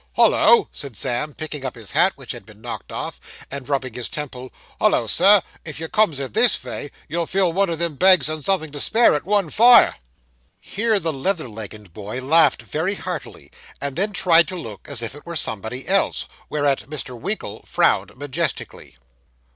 'Hollo!' said Sam, picking up his hat, which had been knocked off, and rubbing his temple. 'Hollo, sir! if you comes it this vay, you'll fill one o' them bags, and something to spare, at one fire.' Here the leather legginged boy laughed very heartily, and then tried to look as if it was somebody else, whereat Mr. Winkle frowned majestically.